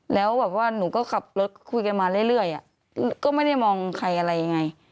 แล้วแบบว่าหนูก็ขับรถคุยกันมาเรื่อยก็ไม่ได้มองใครอะไรยังไง